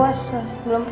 ya kayak gitu